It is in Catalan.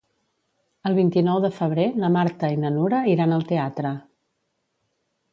El vint-i-nou de febrer na Marta i na Nura iran al teatre.